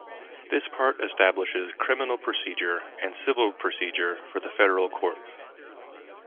This part establishes criminal procedure and civil procedure for the federal courts.